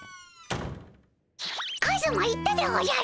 カズマ行ったでおじゃる。